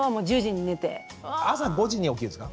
朝５時に起きるんですか？